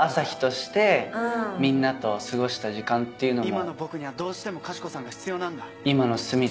今の僕にはどうしてもかしこさんが必要なんだ。